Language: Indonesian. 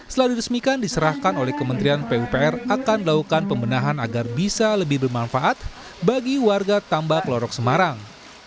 setelah diresmikan diserahkan oleh kementerian pupr akan dilakukan pembenahan agar bisa lebih bermanfaat bagi warga tambak lorok semarang